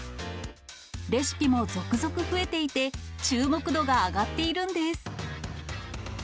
レシピも続々増えていて、注目度が上がっているんです。